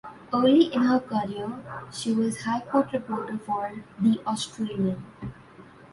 Early in her career she was High Court reporter for "The Australian".